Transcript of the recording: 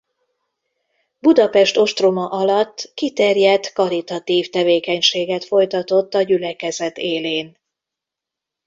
Budapest ostroma alatt kiterjedt karitatív tevékenységet folytatott a gyülekezet élén.